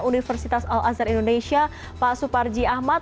universitas al azhar indonesia pak suparji ahmad